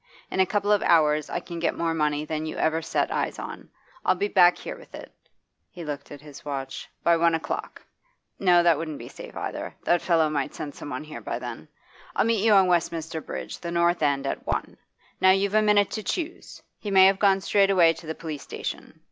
In a couple of hours I can get more money than you ever set eyes on; I'll be back here with it' he looked at his watch 'by one o'clock. No, that wouldn't be safe either that fellow might send someone here by then. I'll meet you on Westminster Bridge, the north end, at one. Now you've a minute to choose; he may have gone straight away to the police station.